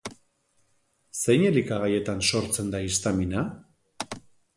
Zein elikagaietan sortzen da histamina?